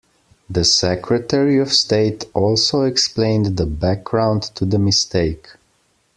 The Secretary of State also explained the background to the mistake.